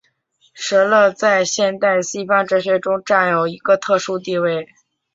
舍勒在现代西方哲学中占有一个特殊地位。